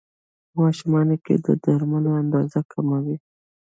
په ماشومانو کې د درملو اندازه کمه وي.